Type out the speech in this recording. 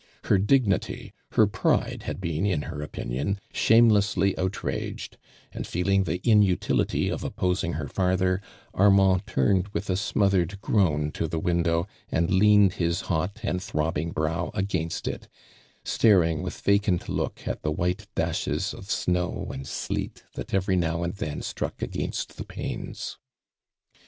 Her dignity, her pride had been in her opinion shamelessly outraged, and feeling the inutility of oppo sing her farther, Armand turned with a smothered groan to the window and leaned his hot and throbljing brow against it, star ing with vaoiint look at the white dashen of enow and sleet that eveiy now and ihen struck against the panes.